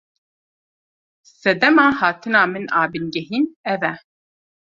Sedema hatina min a bingehîn ev e.